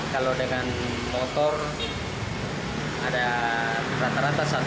kalau dengan motor ada rata rata satu badik satu motor